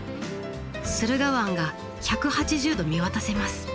駿河湾が１８０度見渡せます。